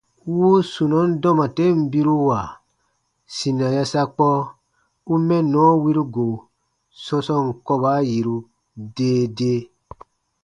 Wuu sunɔn dɔma ten biruwa sina yasakpɔ u mɛnnɔ wiru go sɔ̃sɔɔn kɔba yiru dee dee.